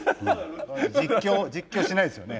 実況実況してないですよね